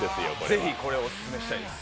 ぜひ、これをオススメしたいです。